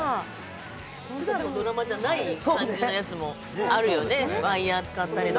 本来のドラマじゃないやつとかもありますよね、ワイヤー使ったりとか。